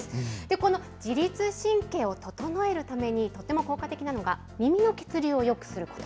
この自律神経を整えるためにとっても効果的なのが、耳の血流をよくすること。